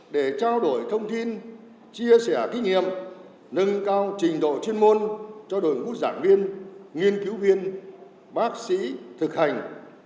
để trao đổi thông tin chia sẻ kinh nghiệm nâng cao trình độ chuyên môn cho đội ngũ giảng viên nghiên cứu viên bác sĩ thực hành